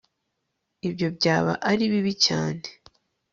ibyo byaba ari bibi cyane